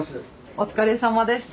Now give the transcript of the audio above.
お疲れさまでした。